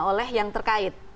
oleh yang terkait